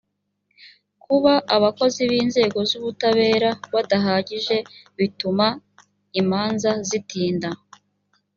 kuba abakozi b inzego z ubutabera badahagije bituma imanza zitinda